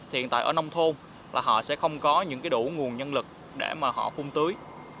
hiện tại ở nông thôn là họ sẽ không có những đủ nguồn nhân lực để mà họ phung tưới